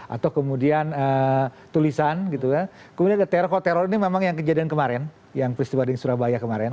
atau kemudian tulisan gitu kan kemudian ada teror teror ini memang yang kejadian kemarin yang peristiwa di surabaya kemarin